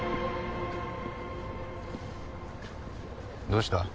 どうした？